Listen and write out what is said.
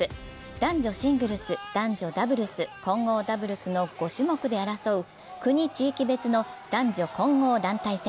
男女シングルス、男女ダブルス、混合ダブルスの５種目で争う国・地域別の男女混合団体戦。